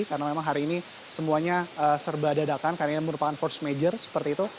karena memang hari ini semuanya serba dadakan karena ini merupakan force major seperti itu